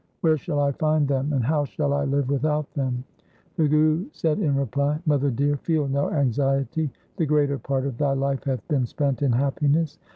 Where shall I find them, and how shall I live without them ?' The Guru said in reply, ' Mother dear, feel no anxiety, the greater part of thy life hath been spent in happiness.